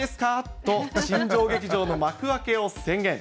と、新庄劇場の幕開けを宣言。